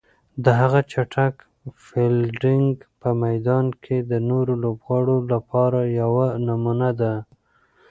د هغه چټک فیلډینګ په میدان کې د نورو لوبغاړو لپاره یوه نمونه ده.